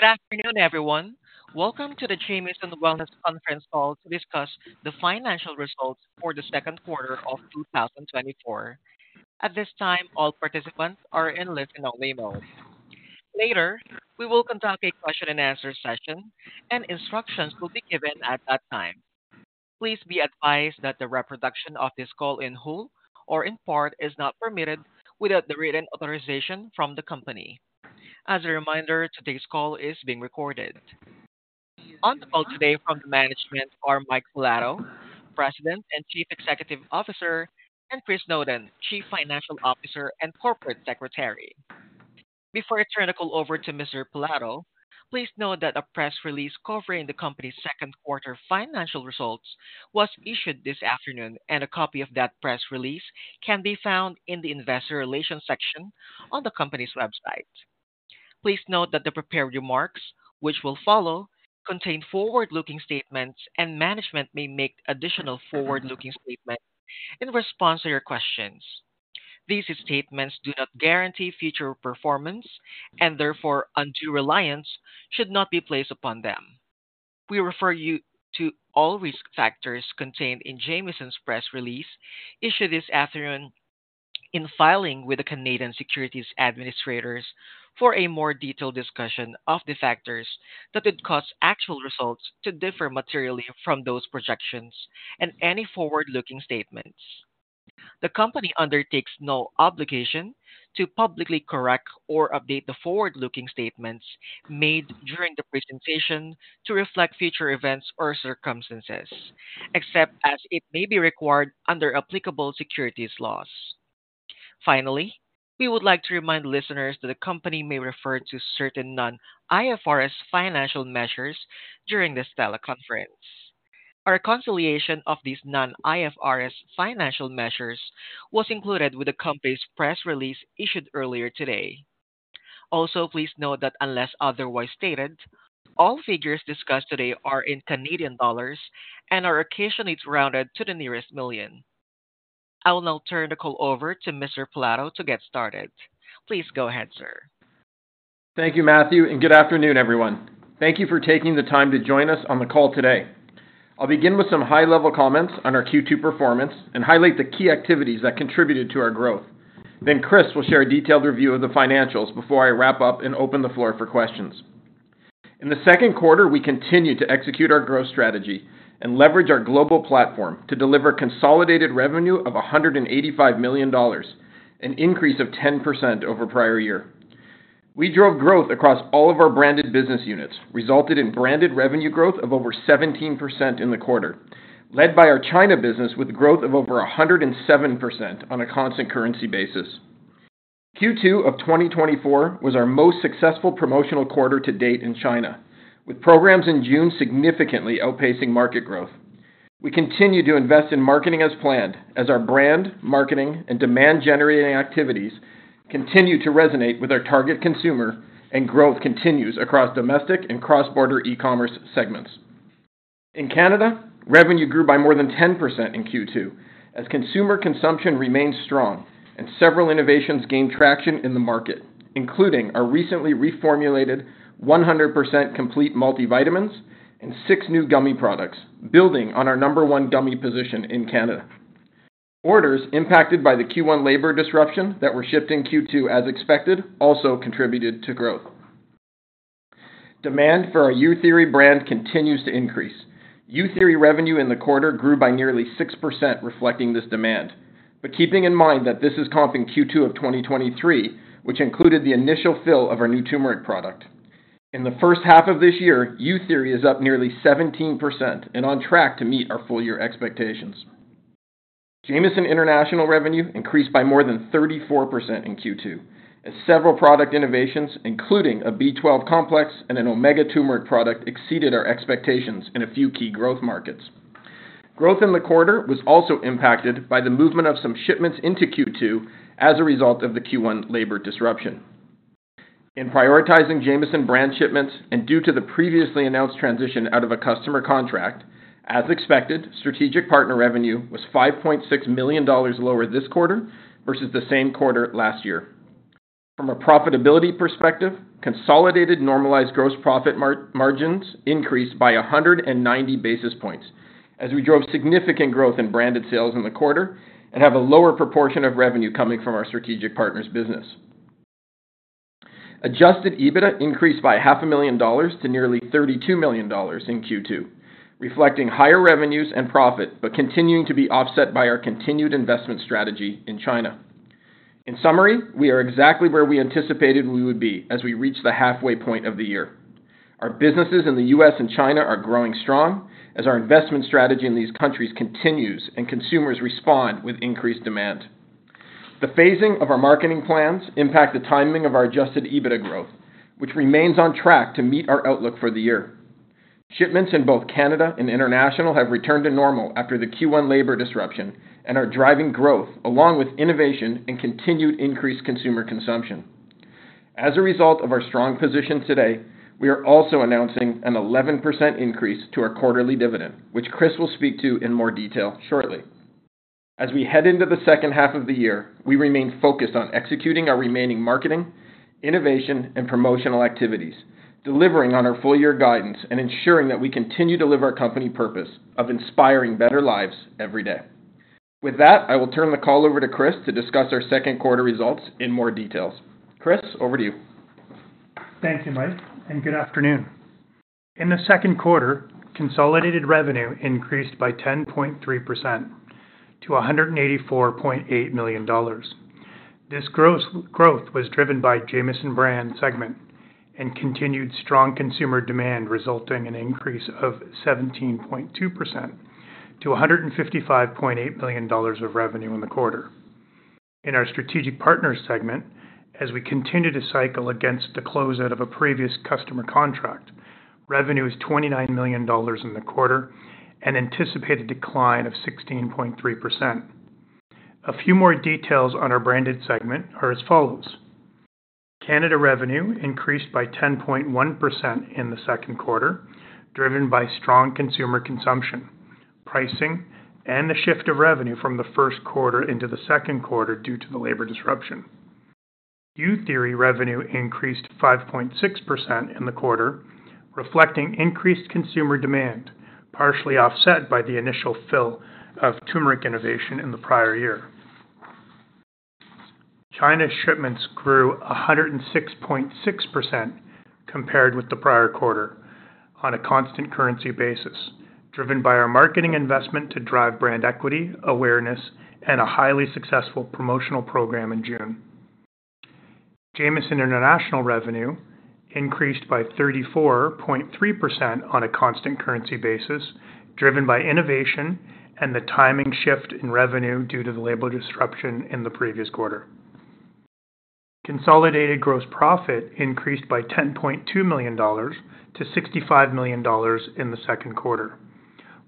Good afternoon, everyone. Welcome to the Jamieson Wellness Conference Call to discuss the financial results for the second quarter of 2024. At this time, all participants are in listen-only mode. Later, we will conduct a question and answer session, and instructions will be given at that time. Please be advised that the reproduction of this call in whole or in part is not permitted without the written authorization from the company. As a reminder, today's call is being recorded. On the call today from the management are Mike Pilato, President and Chief Executive Officer, and Chris Snowden, Chief Financial Officer and Corporate Secretary. Before I turn the call over to Mr. Pilato, please note that a press release covering the company's second quarter financial results was issued this afternoon, and a copy of that press release can be found in the Investor Relations section on the company's website. Please note that the prepared remarks, which will follow, contain forward-looking statements, and management may make additional forward-looking statements in response to your questions. These statements do not guarantee future performance, and therefore undue reliance should not be placed upon them. We refer you to all risk factors contained in Jamieson's press release, issued this afternoon in filing with the Canadian Securities Administrators for a more detailed discussion of the factors that could cause actual results to differ materially from those projections and any forward-looking statements. The company undertakes no obligation to publicly correct or update the forward-looking statements made during the presentation to reflect future events or circumstances, except as it may be required under applicable securities laws. Finally, we would like to remind listeners that the company may refer to certain non-IFRS financial measures during this teleconference. A reconciliation of these non-IFRS financial measures was included with the company's press release issued earlier today. Also, please note that unless otherwise stated, all figures discussed today are in Canadian dollars and are occasionally rounded to the nearest million. I will now turn the call over to Mr. Pilato to get started. Please go ahead, sir. Thank you, Matthew, and good afternoon, everyone. Thank you for taking the time to join us on the call today. I'll begin with some high-level comments on our Q2 performance and highlight the key activities that contributed to our growth. Then Chris will share a detailed review of the financials before I wrap up and open the floor for questions. In the second quarter, we continued to execute our growth strategy and leverage our global platform to deliver consolidated revenue of 185 million dollars, an increase of 10% over prior year. We drove growth across all of our branded business units, resulted in branded revenue growth of over 17% in the quarter, led by our China business, with growth of over 107% on a constant currency basis. Q2 of 2024 was our most successful promotional quarter to date in China, with programs in June significantly outpacing market growth. We continue to invest in marketing as planned, as our brand, marketing and demand-generating activities continue to resonate with our target consumer, and growth continues across domestic and cross-border e-commerce segments. In Canada, revenue grew by more than 10% in Q2, as consumer consumption remained strong and several innovations gained traction in the market, including our recently reformulated 100% complete multivitamins and six new gummy products, building on our No. 1 gummy position in Canada. Orders impacted by the Q1 labor disruption that were shipped in Q2 as expected, also contributed to growth. Demand for our Youtheory brand continues to increase. Youtheory revenue in the quarter grew by nearly 6%, reflecting this demand. Keeping in mind that this is comping Q2 of 2023, which included the initial fill of our new turmeric product. In the first half of this year, Youtheory is up nearly 17% and on track to meet our full year expectations. Jamieson International revenue increased by more than 34% in Q2, as several product innovations, including a B12 complex and an omega turmeric product, exceeded our expectations in a few key growth markets. Growth in the quarter was also impacted by the movement of some shipments into Q2 as a result of the Q1 labor disruption. In prioritizing Jamieson brand shipments and due to the previously announced transition out of a customer contract, as expected, strategic partner revenue was 5.6 million dollars lower this quarter versus the same quarter last year. From a profitability perspective, consolidated normalized gross profit margins increased by 100 basis points as we drove significant growth in branded sales in the quarter and have a lower proportion of revenue coming from our strategic partners business. Adjusted EBITDA increased by 500,000 dollars to nearly 32 million dollars in Q2, reflecting higher revenues and profit, but continuing to be offset by our continued investment strategy in China. In summary, we are exactly where we anticipated we would be as we reach the halfway point of the year. Our businesses in the U.S. and China are growing strong as our investment strategy in these countries continues and consumers respond with increased demand. The phasing of our marketing plans impact the timing of our adjusted EBITDA growth, which remains on track to meet our outlook for the year. Shipments in both Canada and international have returned to normal after the Q1 labor disruption and are driving growth, along with innovation and continued increased consumer consumption. As a result of our strong position today, we are also announcing an 11% increase to our quarterly dividend, which Chris will speak to in more detail shortly. As we head into the second half of the year, we remain focused on executing our remaining marketing, innovation, and promotional activities, delivering on our full-year guidance, and ensuring that we continue to live our company purpose of inspiring better lives every day. With that, I will turn the call over to Chris to discuss our second quarter results in more details. Chris, over to you. Thank you, Mike, and good afternoon. In the second quarter, consolidated revenue increased by 10.3% to 184.8 million dollars. This growth was driven by Jamieson Brand segment and continued strong consumer demand, resulting in an increase of 17.2% to 155.8 million dollars of revenue in the quarter. In our strategic partners segment, as we continue to cycle against the closeout of a previous customer contract, revenue is 29 million dollars in the quarter, an anticipated decline of 16.3%. A few more details on our branded segment are as follows: Canada revenue increased by 10.1% in the second quarter, driven by strong consumer consumption, pricing, and the shift of revenue from the first quarter into the second quarter due to the labor disruption. Youtheory revenue increased 5.6% in the quarter, reflecting increased consumer demand, partially offset by the initial fill of turmeric innovation in the prior year. China's shipments grew 106.6% compared with the prior quarter on a constant currency basis, driven by our marketing investment to drive brand equity, awareness, and a highly successful promotional program in June. Jamieson International revenue increased by 34.3% on a constant currency basis, driven by innovation and the timing shift in revenue due to the labor disruption in the previous quarter. Consolidated gross profit increased by 10.2 million dollars to 65 million dollars in the second quarter,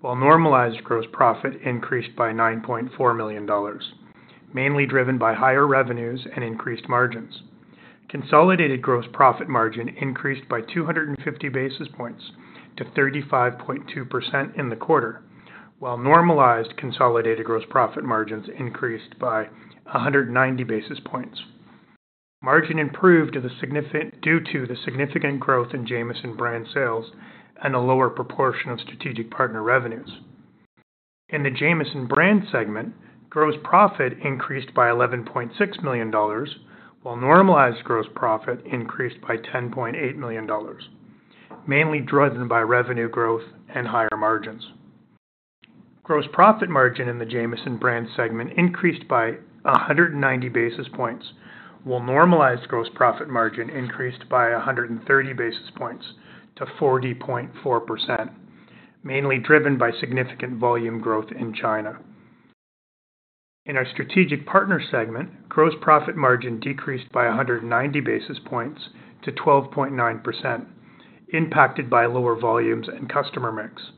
while normalized gross profit increased by 9.4 million dollars, mainly driven by higher revenues and increased margins. Consolidated gross profit margin increased by 250 basis points to 35.2% in the quarter, while normalized consolidated gross profit margins increased by 190 basis points. Margin improved due to the significant growth in Jamieson brand sales and a lower proportion of strategic partner revenues. In the Jamieson Brands segment, gross profit increased by 11.6 million dollars, while normalized gross profit increased by 10.8 million dollars, mainly driven by revenue growth and higher margins. Gross profit margin in the Jamieson Brands segment increased by 190 basis points, while normalized gross profit margin increased by 130 basis points to 40.4%, mainly driven by significant volume growth in China. In our strategic partners segment, gross profit margin decreased by 190 basis points to 12.9%, impacted by lower volumes and customer mix.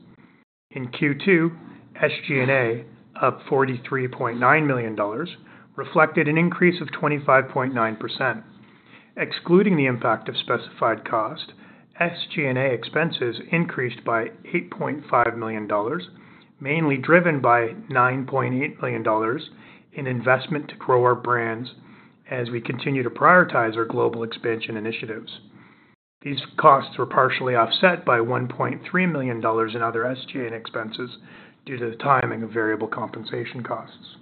In Q2, SG&A, up 43.9 million dollars, reflected an increase of 25.9%. Excluding the impact of specified cost, SG&A expenses increased by 8.5 million dollars, mainly driven by 9.8 million dollars in investment to grow our brands as we continue to prioritize our global expansion initiatives. These costs were partially offset by 1.3 million dollars in other SG&A expenses due to the timing of variable compensation costs.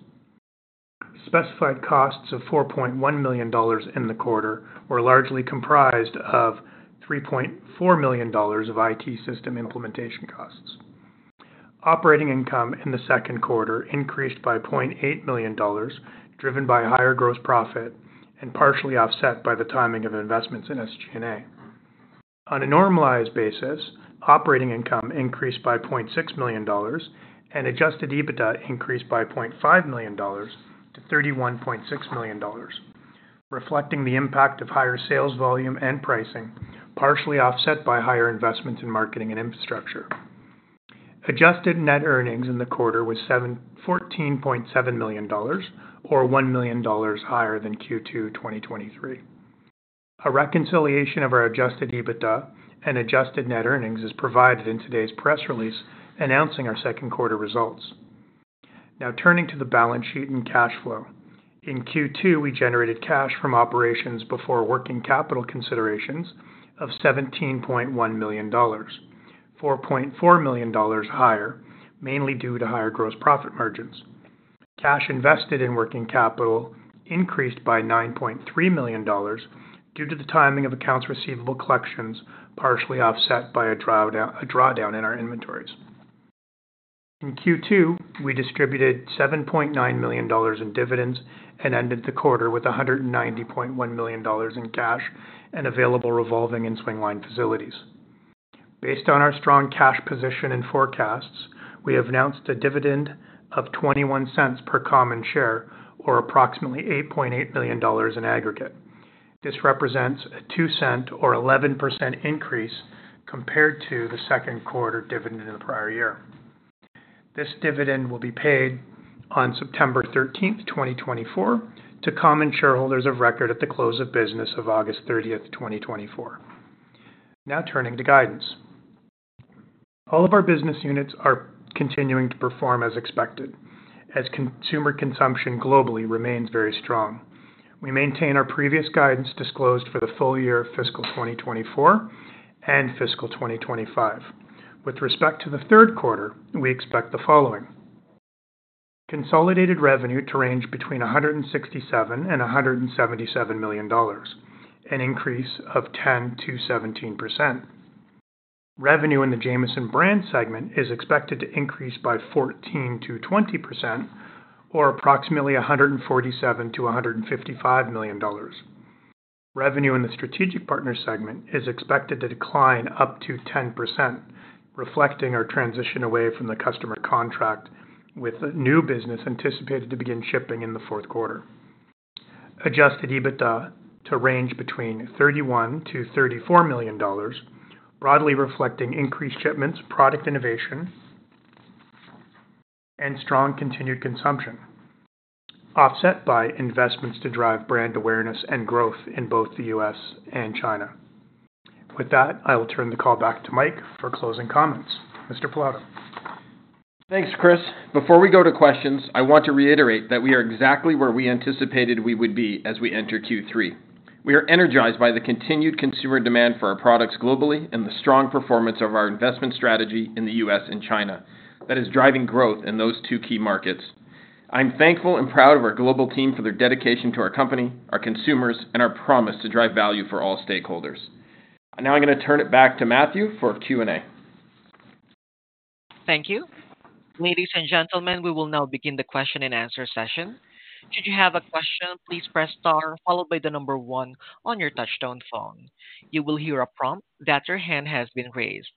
Specified costs of 4.1 million dollars in the quarter were largely comprised of 3.4 million dollars of IT system implementation costs. Operating income in the second quarter increased by 0.8 million dollars, driven by higher gross profit and partially offset by the timing of investments in SG&A. On a normalized basis, operating income increased by 0.6 million dollars, and Adjusted EBITDA increased by 0.5 million-31.6 million dollars, reflecting the impact of higher sales volume and pricing, partially offset by higher investments in marketing and infrastructure. Adjusted net earnings in the quarter was 14.7 million dollars or 1 million dollars higher than Q2 2023. A reconciliation of our Adjusted EBITDA and adjusted net earnings is provided in today's press release, announcing our second quarter results. Now turning to the balance sheet and cash flow. In Q2, we generated cash from operations before working capital considerations of 17.1 million dollars, 4.4 million dollars higher, mainly due to higher gross profit margins. Cash invested in working capital increased by 9.3 million dollars due to the timing of accounts receivable collections, partially offset by a drawdown in our inventories. In Q2, we distributed 7.9 million dollars in dividends and ended the quarter with 190.1 million dollars in cash and available revolving and swingline facilities. Based on our strong cash position and forecasts, we have announced a dividend of 0.21 per common share, or approximately 8.8 million dollars in aggregate. This represents a 0.2 or 11% increase compared to the second quarter dividend in the prior year. This dividend will be paid on September thirteenth, 2024, to common shareholders of record at the close of business of August thirtieth, 2024. Now turning to guidance. All of our business units are continuing to perform as expected, as consumer consumption globally remains very strong. We maintain our previous guidance disclosed for the full year of fiscal 2024 and fiscal 2025. With respect to the third quarter, we expect the following: consolidated revenue to range between 167 million and 177 million dollars, an increase of 10%-17%. Revenue in the Jamieson Brand segment is expected to increase by 14%-20% or approximately 147 million-155 million dollars. Revenue in the Strategic Partners segment is expected to decline up to 10%, reflecting our transition away from the customer contract, with the new business anticipated to begin shipping in the fourth quarter. Adjusted EBITDA to range between 31 million-34 million dollars, broadly reflecting increased shipments, product innovation, and strong continued consumption, offset by investments to drive brand awareness and growth in both the U.S. and China. With that, I will turn the call back to Mike for closing comments. Mr. Pilato. Thanks, Chris. Before we go to questions, I want to reiterate that we are exactly where we anticipated we would be as we enter Q3. We are energized by the continued consumer demand for our products globally and the strong performance of our investment strategy in the US and China that is driving growth in those two key markets. I'm thankful and proud of our global team for their dedication to our company, our consumers, and our promise to drive value for all stakeholders. Now I'm gonna turn it back to Matthew for Q&A. Thank you. Ladies and gentlemen, we will now begin the question-and-answer session. Should you have a question, please press star followed by the number 1 on your touchtone phone. You will hear a prompt that your hand has been raised.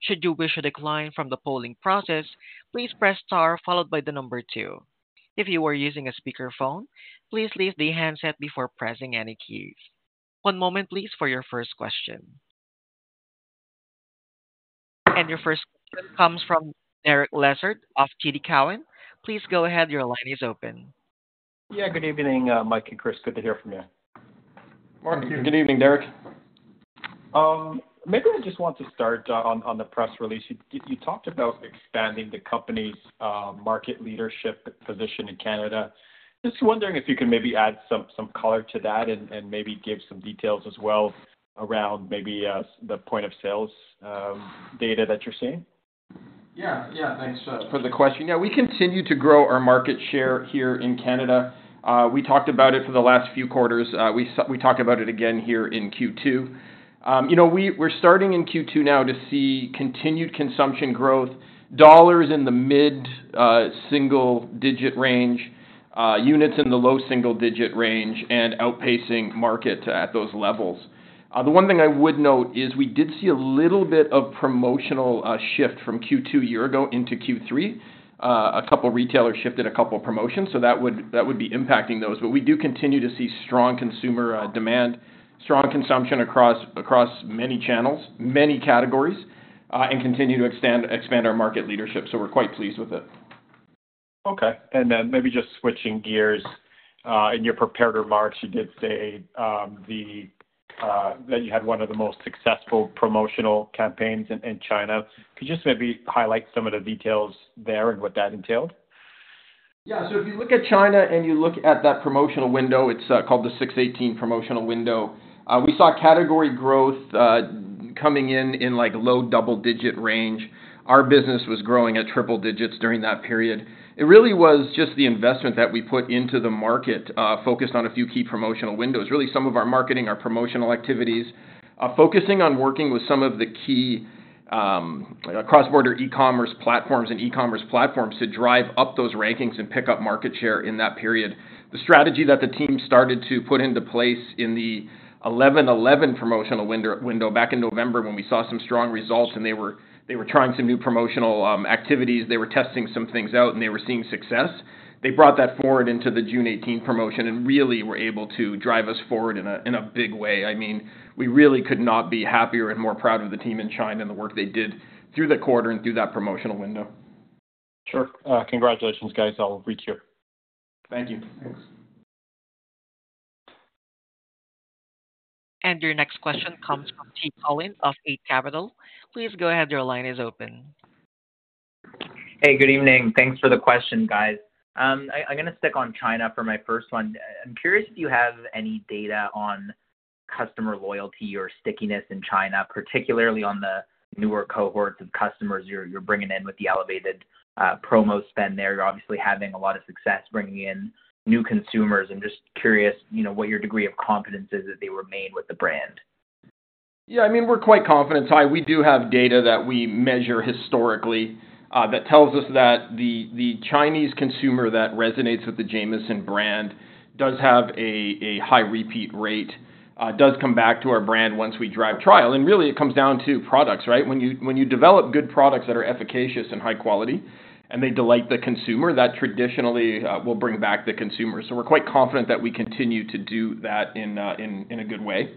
Should you wish to decline from the polling process, please press star followed by the number two. If you are using a speakerphone, please leave the handset before pressing any keys. One moment, please, for your first question. Your first question comes from Derek Lessard of TD Cowen. Please go ahead. Your line is open. Yeah, good evening, Mike and Chris. Good to hear from you. Mark, good evening, Derek. Maybe I just want to start on the press release. You talked about expanding the company's market leadership position in Canada. Just wondering if you can maybe add some color to that and maybe give some details as well around the point of sales data that you're seeing. Yeah. Yeah, thanks for the question. Yeah, we continue to grow our market share here in Canada. We talked about it for the last few quarters. We talked about it again here in Q2. You know, we're starting in Q2 now to see continued consumption growth, dollars in the mid single-digit range, units in the low single-digit range, and outpacing market at those levels. The one thing I would note is we did see a little bit of promotional shift from Q2 a year ago into Q3. A couple retailers shifted a couple promotions, so that would be impacting those. But we do continue to see strong consumer demand, strong consumption across many channels, many categories, and continue to expand our market leadership, so we're quite pleased with it. Okay. And then maybe just switching gears. In your prepared remarks, you did say that you had one of the most successful promotional campaigns in China. Could you just maybe highlight some of the details there and what that entailed? Yeah. So if you look at China and you look at that promotional window, it's called the 6.18 promotional window. We saw category growth coming in, like, low double-digit range. Our business was growing at triple digits during that period. It really was just the investment that we put into the market, focused on a few key promotional windows. Really, some of our marketing, our promotional activities, focusing on working with some of the key cross-border e-commerce platforms and e-commerce platforms to drive up those rankings and pick up market share in that period. The strategy that the team started to put into place in the 11.11 promotional window back in November when we saw some strong results, and they were trying some new promotional activities, they were testing some things out, and they were seeing success. They brought that forward into the June 18 promotion and really were able to drive us forward in a big way. I mean, we really could not be happier and more proud of the team in China and the work they did through the quarter and through that promotional window. Sure. Congratulations, guys. I'll reach you. Thank you. Thanks. And your next question comes from Ty Collin of Eight Capital. Please go ahead. Your line is open. Hey, good evening. Thanks for the question, guys. I, I'm gonna stick on China for my first one. I'm curious if you have any data on customer loyalty or stickiness in China, particularly on the newer cohorts of customers you're bringing in with the elevated promo spend there. You're obviously having a lot of success bringing in new consumers. I'm just curious, you know, what your degree of confidence is that they remain with the brand. Yeah, I mean, we're quite confident, Ty. We do have data that we measure historically that tells us that the Chinese consumer that resonates with the Jamieson brand does have a high repeat rate, does come back to our brand once we drive trial. And really, it comes down to products, right? When you develop good products that are efficacious and high quality, and they delight the consumer, that traditionally will bring back the consumer. So we're quite confident that we continue to do that in a good way.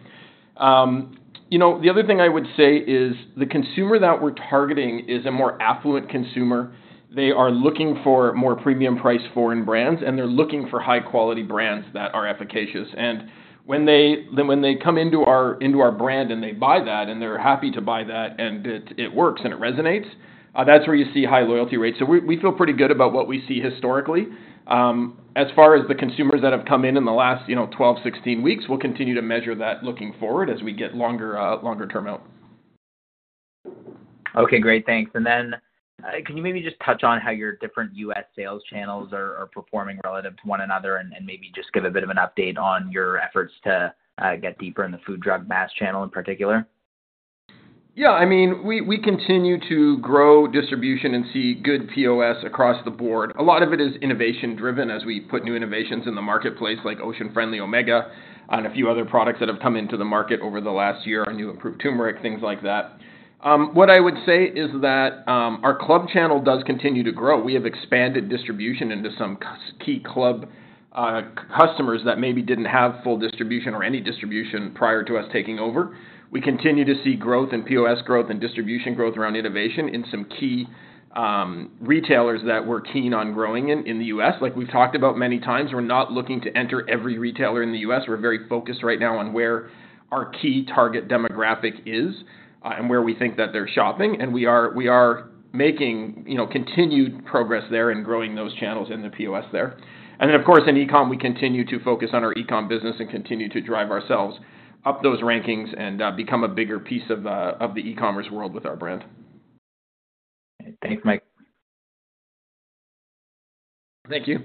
You know, the other thing I would say is the consumer that we're targeting is a more affluent consumer. They are looking for more premium price foreign brands, and they're looking for high-quality brands that are efficacious. And when they come into our brand, and they buy that, and they're happy to buy that, and it works and it resonates, that's where you see high loyalty rates. So we feel pretty good about what we see historically. As far as the consumers that have come in in the last, you know, 12, 16 weeks, we'll continue to measure that looking forward as we get longer term out. Okay, great. Thanks. And then, can you maybe just touch on how your different U.S. sales channels are performing relative to one another, and maybe just give a bit of an update on your efforts to get deeper in the food, drug, mass channel in particular? Yeah, I mean, we continue to grow distribution and see good POS across the board. A lot of it is innovation driven as we put new innovations in the marketplace, like Ocean Friendly Omega and a few other products that have come into the market over the last year, our new improved turmeric, things like that. What I would say is that, our club channel does continue to grow. We have expanded distribution into some key club customers that maybe didn't have full distribution or any distribution prior to us taking over. We continue to see growth and POS growth and distribution growth around innovation in some key retailers that we're keen on growing in the U.S. Like we've talked about many times, we're not looking to enter every retailer in the U.S. We're very focused right now on where our key target demographic is, and where we think that they're shopping. And we are making, you know, continued progress there and growing those channels in the POS there. And then, of course, in e-com, we continue to focus on our e-com business and continue to drive ourselves up those rankings and become a bigger piece of the e-commerce world with our brand. Thanks, Mike. Thank you.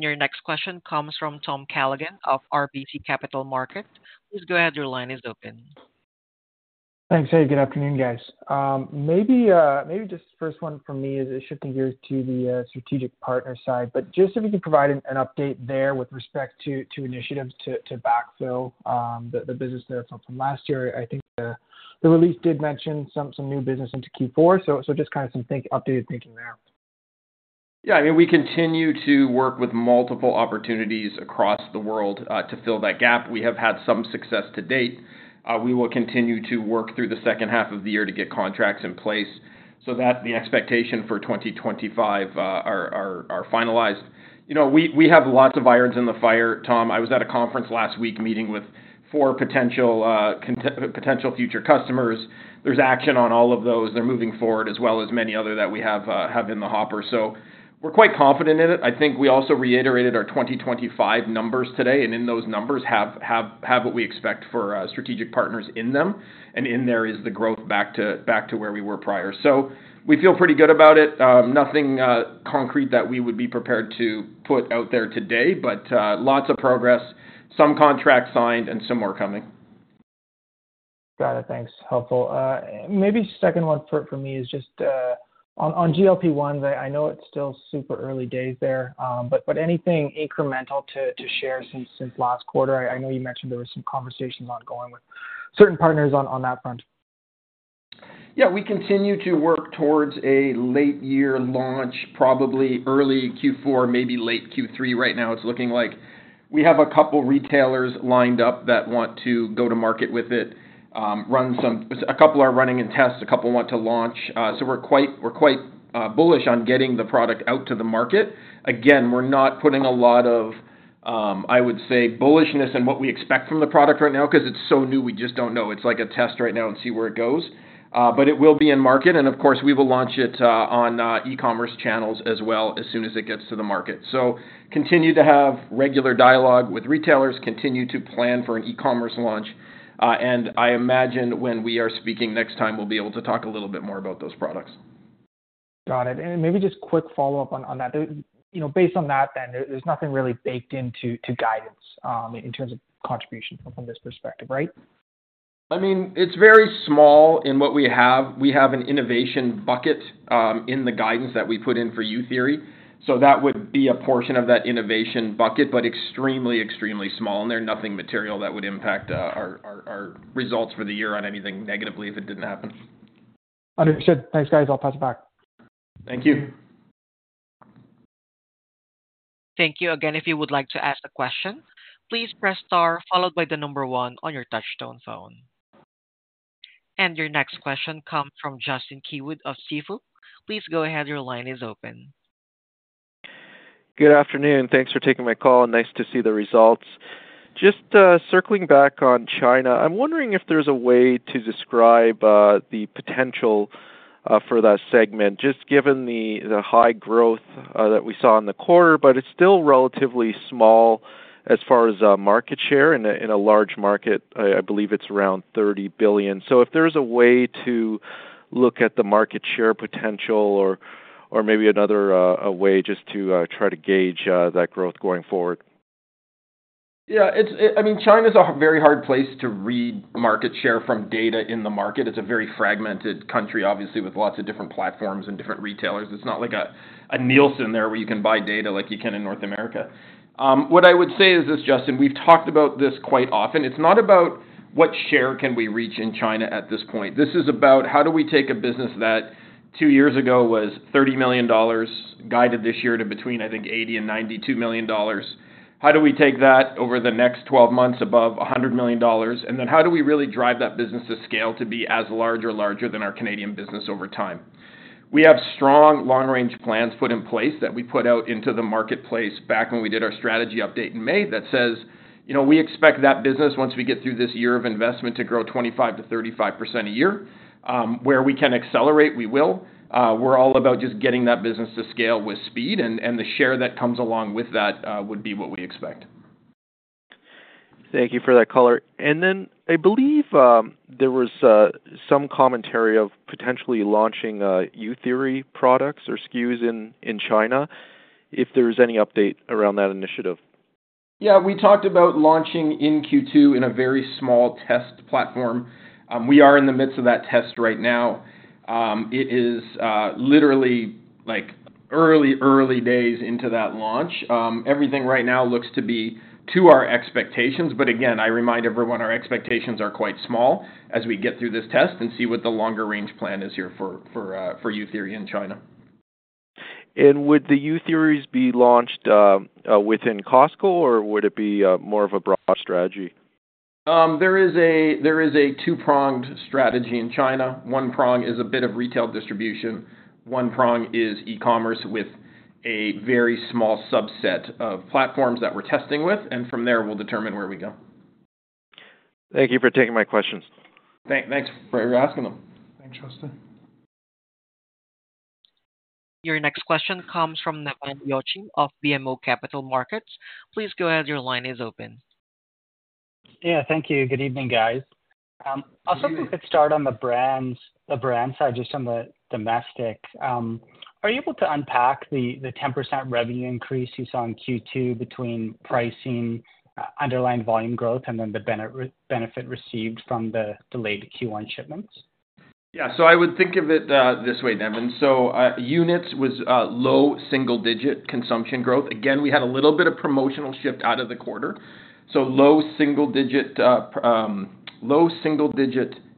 Your next question comes from Tom Callaghan of RBC Capital Markets. Please go ahead. Your line is open. Thanks. Hey, good afternoon, guys. Maybe just first one from me is it shifting gears to the strategic partner side. But just if you could provide an update there with respect to initiatives to backfill the business that's from last year. I think the release did mention some new business into Q4. Just kind of updated thinking there. Yeah, I mean, we continue to work with multiple opportunities across the world to fill that gap. We have had some success to date. We will continue to work through the second half of the year to get contracts in place so that the expectation for 2025 are finalized. You know, we have lots of irons in the fire, Tom. I was at a conference last week meeting with four potential future customers. There's action on all of those. They're moving forward as well as many other that we have in the hopper, so we're quite confident in it. I think we also reiterated our 2025 numbers today, and in those numbers, have what we expect for strategic partners in them. And in there is the growth back to where we were prior. So we feel pretty good about it. Nothing concrete that we would be prepared to put out there today, but lots of progress, some contracts signed and some more coming. Got it. Thanks. Helpful. Maybe second one for me is just on GLP-1s. I know it's still super early days there, but anything incremental to share since last quarter? I know you mentioned there were some conversations ongoing with certain partners on that front. Yeah, we continue to work towards a late year launch, probably early Q4, maybe late Q3. Right now, it's looking like we have a couple retailers lined up that want to go to market with it. A couple are running in tests, a couple want to launch. So we're quite bullish on getting the product out to the market. Again, we're not putting a lot of, I would say, bullishness on what we expect from the product right now. 'Cause it's so new, we just don't know. It's like a test right now and see where it goes. But it will be in market, and of course, we will launch it on e-commerce channels as well, as soon as it gets to the market. Continue to have regular dialogue with retailers, continue to plan for an e-commerce launch, and I imagine when we are speaking next time, we'll be able to talk a little bit more about those products. Got it. And maybe just quick follow-up on that. You know, based on that, then there's nothing really baked into the guidance in terms of contribution from this perspective, right? I mean, it's very small in what we have. We have an innovation bucket in the guidance that we put in for Youtheory. So that would be a portion of that innovation bucket, but extremely, extremely small, and there's nothing material that would impact our results for the year on anything negatively if it didn't happen. Understood. Thanks, guys. I'll pass it back. Thank you. Thank you again. If you would like to ask a question, please press star, followed by the number one on your touchtone phone. Your next question comes from Justin Keywood of Stifel. Please go ahead. Your line is open. Good afternoon. Thanks for taking my call, and nice to see the results. Just circling back on China, I'm wondering if there's a way to describe the potential for that segment, just given the high growth that we saw in the quarter, but it's still relatively small as far as market share in a large market. I believe it's around 30 billion. So if there's a way to look at the market share potential or maybe another way just to try to gauge that growth going forward. Yeah, it's, I mean, China is a very hard place to read market share from data in the market. It's a very fragmented country obviously with lots of different platforms and different retailers. It's not like a, a Nielsen there, where you can buy data like you can in North America. What I would say is this, Justin: We've talked about this quite often. It's not about what share can we reach in China at this point. This is about how do we take a business that two years ago was 30 million dollars, guided this year to between, I think, 80 million and 92 million dollars. How do we take that over the next 12 months above 100 million dollars? And then how do we really drive that business to scale to be as large or larger than our Canadian business over time? We have strong long-range plans put in place that we put out into the marketplace back when we did our strategy update in May, that says, you know, we expect that business, once we get through this year of investment, to grow 25%-35% a year. Where we can accelerate, we will. We're all about just getting that business to scale with speed, and the share that comes along with that would be what we expect. Thank you for that color. And then I believe there was some commentary of potentially launching Youtheory products or SKUs in China. If there is any update around that initiative? Yeah, we talked about launching in Q2 in a very small test platform. We are in the midst of that test right now. It is, literally, like, early, early days into that launch. Everything right now looks to be to our expectations, but again, I remind everyone, our expectations are quite small as we get through this test and see what the longer range plan is here for, for, for Youtheory in China. Would the Youtheory be launched within Costco, or would it be more of a broad strategy? There is a two-pronged strategy in China. One prong is a bit of retail distribution, one prong is e-commerce with a very small subset of platforms that we're testing with, and from there, we'll determine where we go. Thank you for taking my questions. Thanks for asking them. Thanks, Justin. Your next question comes from Nevan Yochim of BMO Capital Markets. Please go ahead. Your line is open. Yeah, thank you. Good evening, guys. I'll start on the brands, the brand side, just on the domestic. Are you able to unpack the 10% revenue increase you saw in Q2 between pricing, underlying volume growth, and then the benefit received from the delayed Q1 shipments? Yeah, so I would think of it this way, Nevan. So, units was low single-digit consumption growth. Again, we had a little bit of promotional shift out of the quarter, so low single-digit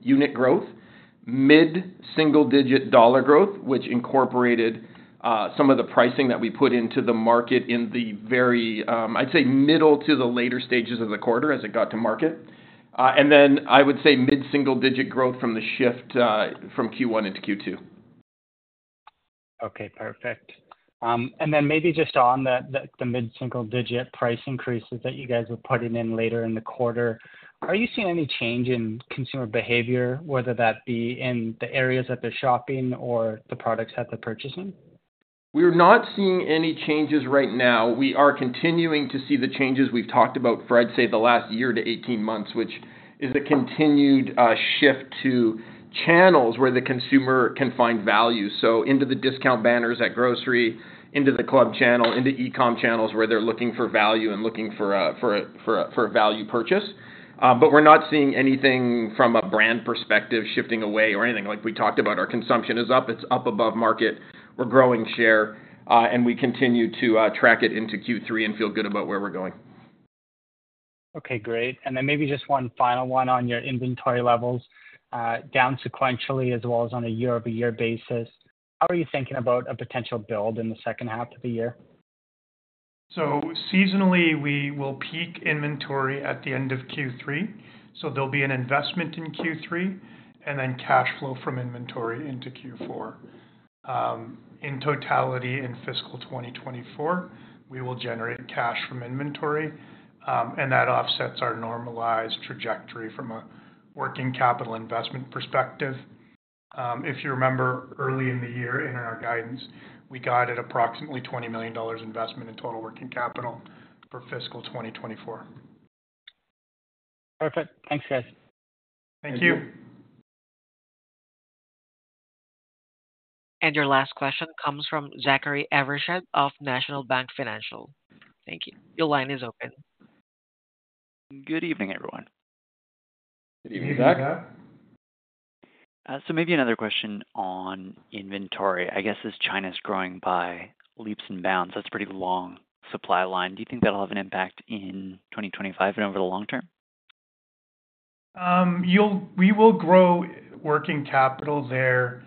unit growth, mid-single-digit dollar growth, which incorporated some of the pricing that we put into the market in the very, I'd say, middle to the later stages of the quarter as it got to market. And then I would say mid-single-digit growth from the shift from Q1 into Q2. Okay, perfect. And then maybe just on the mid-single digit price increases that you guys were putting in later in the quarter, are you seeing any change in consumer behavior, whether that be in the areas that they're shopping or the products that they're purchasing? We're not seeing any changes right now. We are continuing to see the changes we've talked about for, I'd say, the last year to 18 months, which is a continued shift to channels where the consumer can find value. So into the discount banners at grocery, into the club channel, into e-com channels, where they're looking for value and looking for a value purchase. But we're not seeing anything from a brand perspective, shifting away or anything. Like we talked about, our consumption is up, it's up above market. We're growing share, and we continue to track it into Q3 and feel good about where we're going. Okay, great. And then maybe just one final one on your inventory levels, down sequentially as well as on a year-over-year basis. How are you thinking about a potential build in the second half of the year? So seasonally, we will peak inventory at the end of Q3. So there'll be an investment in Q3, and then cash flow from inventory into Q4. In totality, in fiscal 2024, we will generate cash from inventory, and that offsets our normalized trajectory from a working capital investment perspective. If you remember, early in the year, in our guidance, we guided approximately 20 million dollars investment in total working capital for fiscal 2024. Perfect. Thanks, guys. Thank you. Your last question comes from Zachary Evershed of National Bank Financial. Thank you. Your line is open. Good evening, everyone. Good evening, Zach. Good evening, Zach. So maybe another question on inventory. I guess as China's growing by leaps and bounds, that's a pretty long supply line. Do you think that'll have an impact in 2025 and over the long term? You'll—we will grow working capital there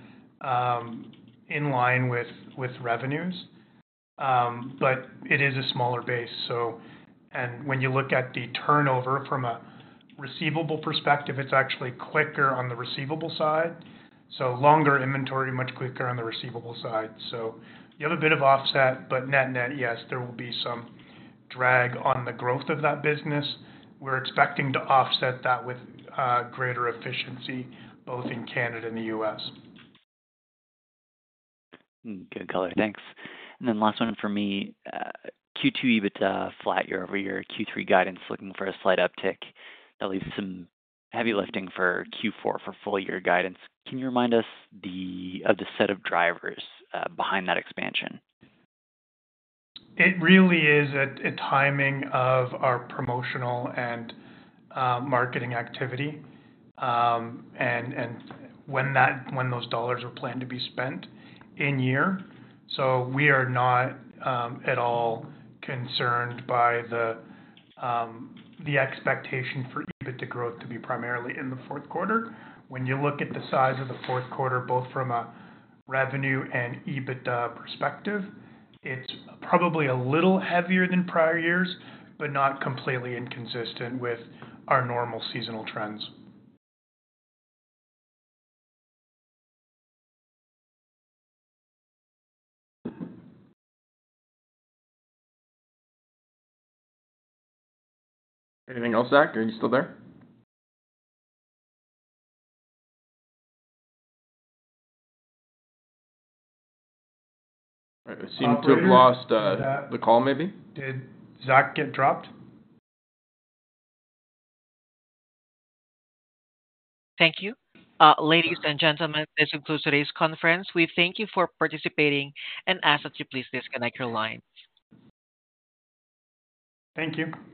in line with, with revenues, but it is a smaller base. So and when you look at the turnover from a receivable perspective, it's actually quicker on the receivable side. So longer inventory, much quicker on the receivable side. So you have a bit of offset, but net-net, yes, there will be some drag on the growth of that business. We're expecting to offset that with greater efficiency, both in Canada and the U.S. Hmm, good color. Thanks. And then last one for me. Q2 EBITDA, flat year-over-year, Q3 guidance looking for a slight uptick, at least some heavy lifting for Q4 for full year guidance. Can you remind us of the set of drivers behind that expansion? It really is a timing of our promotional and marketing activity, and when those dollars are planned to be spent in year. So we are not at all concerned by the expectation for EBITDA growth to be primarily in the fourth quarter. When you look at the size of the fourth quarter, both from a revenue and EBITDA perspective, it's probably a little heavier than prior years, but not completely inconsistent with our normal seasonal trends. Anything else, Zach? Are you still there? We seem to have lost the call, maybe. Did Zach get dropped? Thank you. Ladies and gentlemen, this concludes today's conference. We thank you for participating and ask that you please disconnect your lines. Thank you.